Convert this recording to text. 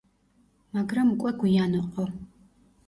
მაგრამ უკვე გვიან ოყო.